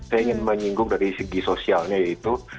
saya ingin menyinggung dari segi sosialnya yaitu